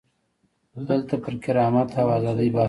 دلته پر کرامت او ازادۍ بحث کوو.